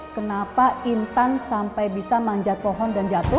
kenapa intan sampai bisa manjat pohon dan jatuh